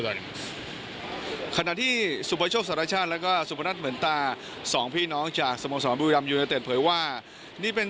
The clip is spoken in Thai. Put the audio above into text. แล้วกับหัวใครจะไม่เข่าเรื่องจริงต่อมุมพลัง